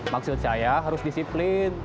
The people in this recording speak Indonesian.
maksud saya harus disiplin